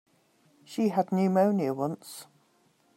She had pneumonia once.